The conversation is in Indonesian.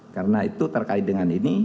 karena itu terkait dengan ini